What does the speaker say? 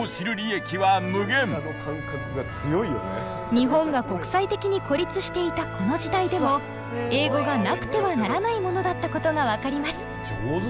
日本が国際的に孤立していたこの時代でも英語がなくてはならないものだったことが分かります。